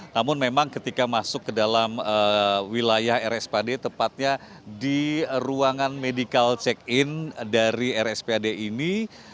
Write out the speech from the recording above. namun memang ketika masuk ke dalam wilayah rs pad tepatnya di ruangan medical check in dari rs pad ini